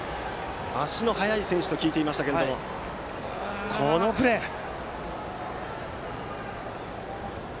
足の速い選手と聞いていましたがこのプレーです。